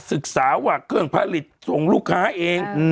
ศึกษาว่าเครื่องผลิตส่งลูกค้าเอง